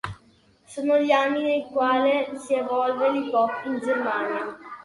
Sono gli anni nel quale si evolve l'hip-hop in Germania.